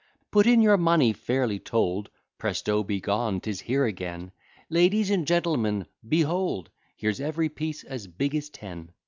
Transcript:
Put in your money fairly told; Presto! be gone 'Tis here again: Ladies and gentlemen, behold, Here's every piece as big as ten.